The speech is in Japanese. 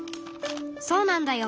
そうなんだよ。